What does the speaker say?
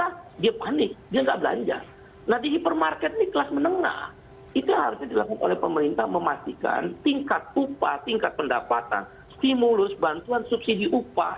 ada sedikit berita dia panik dia enggak belanja nah di hipermarket nih kelas menengah itu harus dilakukan oleh pemerintah memastikan tingkat upah tingkat pendapatan stimulus bantuan subsidi upah